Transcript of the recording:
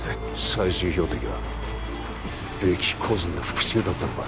最終標的はベキ個人の復讐だったのか？